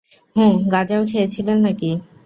হুমম গাঁজাও খেয়েছিলেন নাকি?